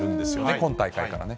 今大会からね。